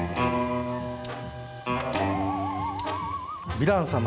ヴィラン様